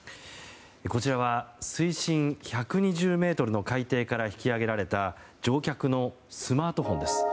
こちらは水深１２０ｍの海底から引き揚げられた乗客のスマートフォンです。